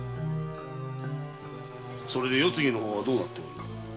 それで世継ぎの方はどうなっている？